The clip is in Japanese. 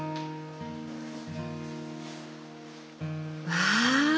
わあ！